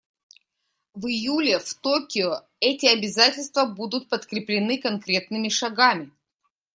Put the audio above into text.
В июле в Токио эти обязательства будут подкреплены конкретными шагами.